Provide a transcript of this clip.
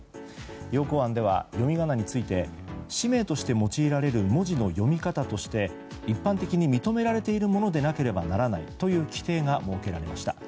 要綱案では読み仮名について氏名として用いられる文字の読み方として一般的に認められているものでなければならないという規定が設けられました。